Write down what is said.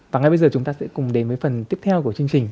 và ngay bây giờ chúng ta sẽ cùng đến với phần tiếp theo của chương trình